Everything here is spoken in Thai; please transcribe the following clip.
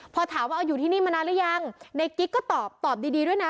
พอถามว่าเอาอยู่ที่นี่มานานหรือยังในกิ๊กก็ตอบตอบดีดีด้วยนะ